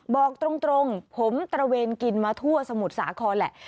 บอกตรงผมตระเวนกินมาทั่วสมุทรสาครแหละ